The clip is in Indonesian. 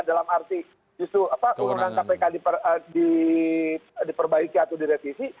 dalam arti justru undang undang kpk diperbaiki atau direvisi